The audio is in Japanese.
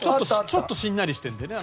ちょっとしんなりしてるんだよね